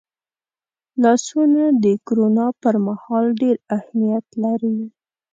لاسونه د کرونا پرمهال ډېر اهمیت لري